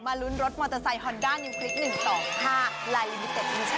มาลุ้นรถมอเตอร์ไซค์ฮอนด้านิวคลิปหนึ่งสองห้า